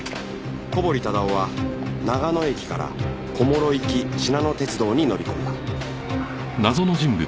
小堀忠夫は長野駅から小諸行きしなの鉄道に乗り込んだ